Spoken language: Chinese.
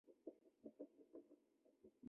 整张专辑均由台湾音乐人阿弟仔担纲制作。